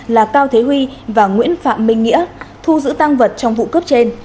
là cao thế huy và nguyễn phạm minh nghĩa thu giữ tăng vật trong vụ cướp trên